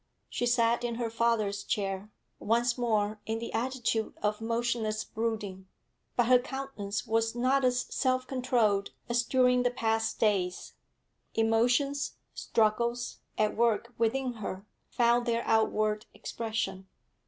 She sat in her father's chair, once more in the attitude of motionless brooding. But her countenance was not as self controlled as during the past days; emotions, struggles, at work within her found their outward expression.